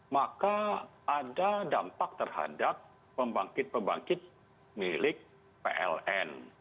maka ada dampak terhadap pembangkit pembangkit milik pln